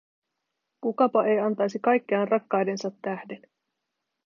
Kukapa ei antaisi kaikkeaan rakkaidensa tähden?